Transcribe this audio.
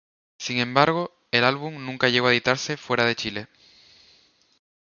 Sin embargo, el álbum nunca llegó a editarse fuera de Chile.